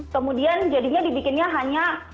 kemudian jadinya dibikinnya hanya